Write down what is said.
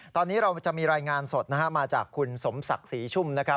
ตอนนี้เราจะมีรายงานสดมาจากคุณสมศักดิ์ศรีชุ่ม